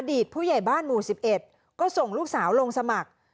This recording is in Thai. ผู้ใหญ่บ้านหมู่๑๑ก็ส่งลูกสาวลงสมัคร